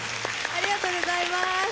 ありがとうございます。